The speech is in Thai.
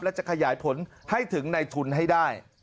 และจะขยายผลให้ถึงในทุนให้ได้